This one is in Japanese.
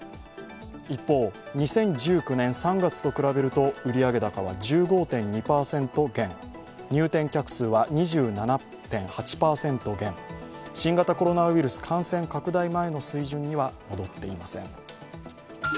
一方、２０１９年３月と比べると売上高は１５．２％減、入店客数は２７．８％減、新型コロナウイルス感染拡大前の水準には戻っていません。